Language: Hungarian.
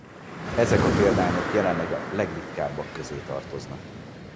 Ezek a példányok jelenleg a legritkábbak közé tartoznak.